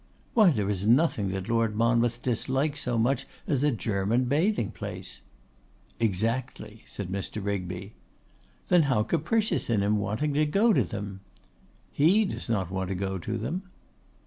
'Why, there is nothing that Lord Monmouth dislikes so much as a German bathing place!' 'Exactly,' said Mr. Rigby. 'Then how capricious in him wanting to go to them?' 'He does not want to go to them!